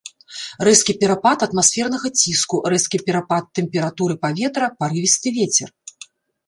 Рэзкі перапад атмасфернага ціску, рэзкі перапад тэмпературы паветра, парывісты вецер.